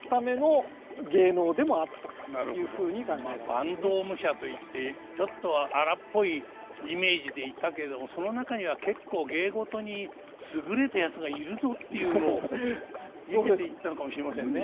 坂東武者といってちょっと荒っぽいイメージでいたけれどもその中には結構芸事に優れた奴がいるぞっていうのを見せていったのかもしれませんね。